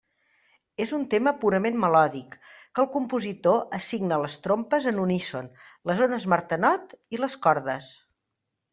És un tema purament melòdic, que el compositor assigna a les trompes en uníson, les ones Martenot i les cordes.